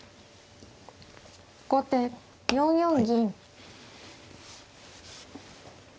後手４四銀。